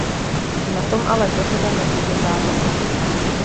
Na tom ale dohoda nemůže záviset.